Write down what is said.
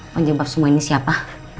penyebab semua ini siapa